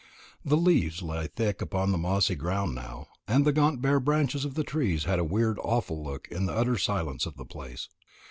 The leaves lay thick upon the mossy ground now; and the gaunt bare branches of the trees had a weird awful look in the utter silence of the place.